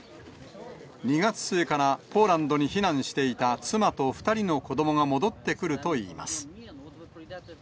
２月末から、ポーランドに避難していた妻と２人の子どもが戻ってくるといいます。